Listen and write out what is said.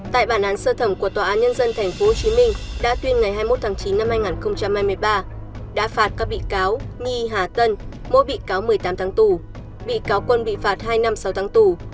tại bản án sơ thẩm của tòa án nhân dân tp hcm đã tuyên ngày hai mươi một tháng chín năm hai nghìn hai mươi ba đã phạt các bị cáo nhi hà tân mỗi bị cáo một mươi tám tháng tù bị cáo quân bị phạt hai năm sáu tháng tù